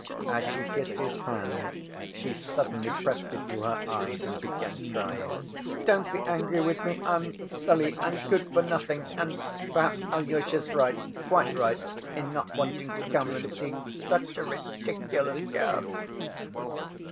As she kissed his hand she suddenly pressed it to her eyes and began crying. "Don't be angry with me. I'm silly and good for nothing ... and perhaps Alyosha's right, quite right, in not wanting to come and see such a ridiculous girl."